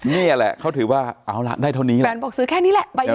นี่แหละเขาถือว่าเอาล่ะได้เท่านี้แหละแฟนบอกซื้อแค่นี้แหละใบนี้